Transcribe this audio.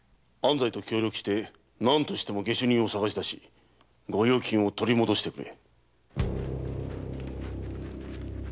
西と協力して何としても下手人を捜しだし御用金を取り戻してくれ。